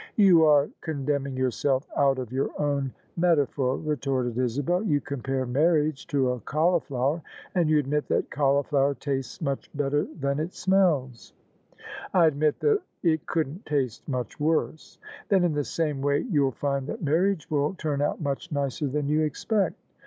"You are condemning yourself out of your own meta phor," retorted Isabel :" you compare marriage to a cauli flower, and you admit that cauliflower tastes much better than It smells.'^ [ 100 ] OF ISABEL CARNABY '' I admit that it couldn't taste much worse." " Then in the same way you'll find that marriage will turn out much nicer than you expect."